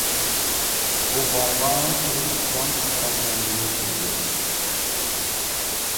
ئۇ بارغانسېرى چىلان تۇپراق رەڭگىگە كىردى.